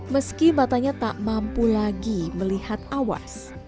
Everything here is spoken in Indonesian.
meski matanya tak mampu lagi melihat awas